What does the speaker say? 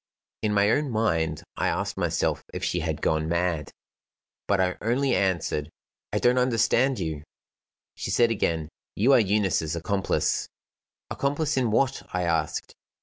In my own mind, I asked myself if she had gone mad. But I only answered: "I don't understand you." She said again: "You are Eunice's accomplice." "Accomplice in what?" I asked.